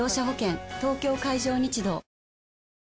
東京海上日動わぁ！